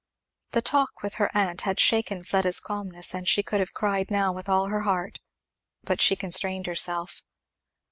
The talk with her aunt had shaken Fleda's calmness and she could have cried now with all her heart; but she constrained herself.